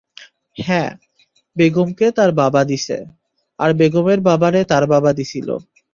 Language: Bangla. হ্যাঁ, বেগমকে তাঁর বাবা দিছে, আর বেগমের বাবারে তাঁর বাবা দিছিলো।